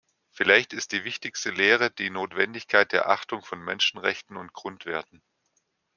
Vielleicht ist die wichtigste Lehre die Notwendigkeit der Achtung von Menschenrechten und Grundwerten.